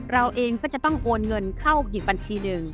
เราเองก็จะต้องโอนเงินเข้าอีกบัญชีหนึ่ง